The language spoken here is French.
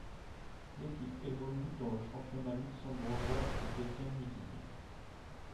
L'équipe évolue dans le championnat luxembourgeois de deuxième division.